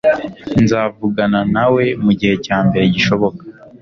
nzavugana nawe mugihe cyambere gishoboka